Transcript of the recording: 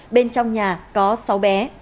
bên trong nhà có sáu bé